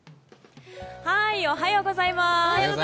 おはようございます。